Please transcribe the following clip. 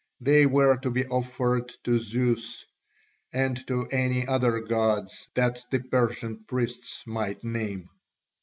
They were to be offered to Zeus and to any other gods that the Persian priests might name.